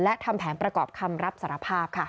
และทำแผนประกอบคำรับสารภาพค่ะ